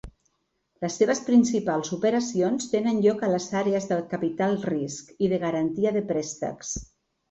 Les seves principals operacions tenen lloc a les àrees de capital risc i de garantia de préstecs.